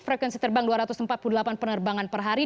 frekuensi terbang dua ratus empat puluh delapan penerbangan per hari